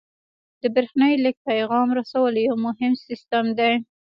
د بریښنایي لیک پیغام رسولو یو مهم سیستم دی.